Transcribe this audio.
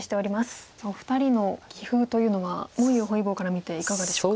さあお二人の棋風というのは文裕本因坊から見ていかがでしょうか？